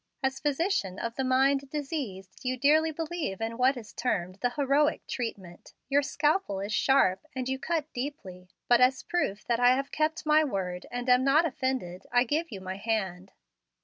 As physician of the 'mind diseased' you dearly believe in what is termed the 'heroic treatment.' Your scalpel is sharp, and you cut deeply. But as proof that I have kept my word, and am not offended, I give you my hand."